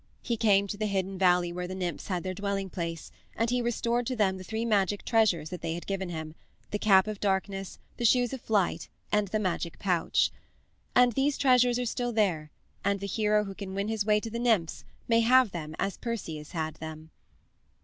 He came to the hidden valley where the nymphs had their dwelling place, and he restored to them the three magic treasures that they had given him the cap of darkness, the shoes of flight, and the magic pouch. And these treasures are still there, and the hero who can win his way to the nymphs may have them as Perseus had them.